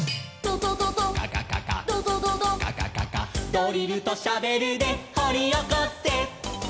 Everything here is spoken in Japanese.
「ドリルとシャベルでほりおこせ」